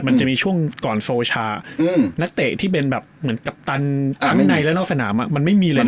มันจะมีช่วงก่อนโซชานักเตะที่เป็นแบบเหมือนกัปตันทั้งในและนอกสนามมันไม่มีเลยนะ